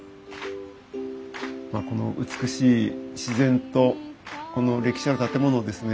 まあこの美しい自然とこの歴史ある建物をですね